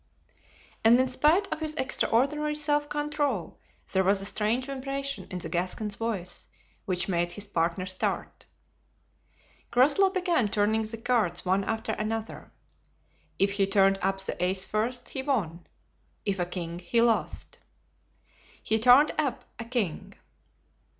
And in spite of his extraordinary self control there was a strange vibration in the Gascon's voice which made his partner start. Groslow began turning the cards one after another. If he turned up an ace first he won; if a king he lost. He turned up a king.